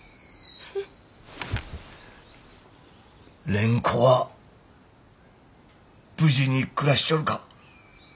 蓮子は無事に暮らしちょるか？